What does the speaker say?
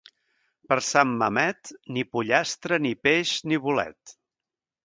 Per Sant Mamet, ni pollastre, ni peix, ni bolet.